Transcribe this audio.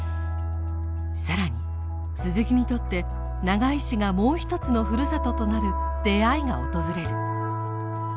更に鈴木にとって長井市がもう一つのふるさととなる出会いが訪れる。